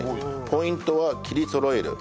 ポイントは切りそろえる。